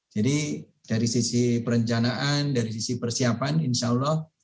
dari sisi perencanaan dari sisi persiapan insya allah